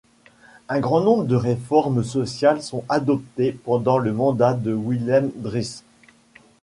Un grand nombre de réformes sociales sont adoptées pendant le mandat de Willem Drees.